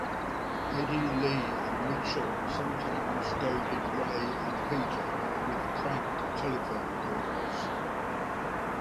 Eddie Lee and Mitchell sometimes goaded Ray and Peter with prank telephone calls.